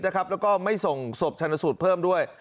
แล้วก็ไม่ส่งศพชนสูตรเพิ่มด้วย